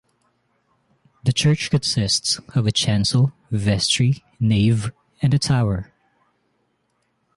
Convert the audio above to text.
The church consists of a chancel, vestry, nave and a tower.